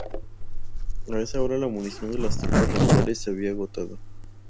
A esa hora la munición de las tropas regulares se había agotado.